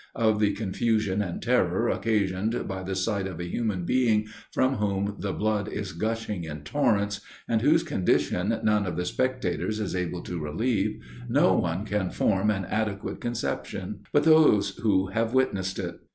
Of the confusion and terror occasioned by the sight of a human being from whom the blood is gushing in torrents, and whose condition none of the spectators is able to relieve, no one can form an adequate conception, but those who have witnessed it.